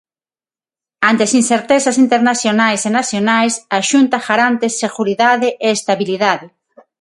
Ante as incertezas internacionais e nacionais, a Xunta garante seguridade e estabilidade.